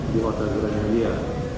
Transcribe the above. di wadah dirinya dia